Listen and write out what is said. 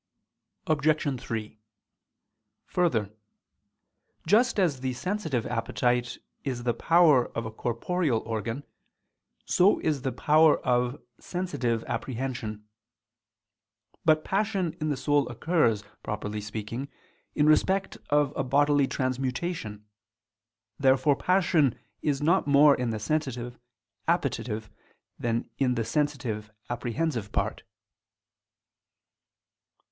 Obj. 3: Further, just as the sensitive appetite is the power of a corporeal organ, so is the power of sensitive apprehension. But passion in the soul occurs, properly speaking, in respect of a bodily transmutation. Therefore passion is not more in the sensitive appetitive than in the sensitive apprehensive part.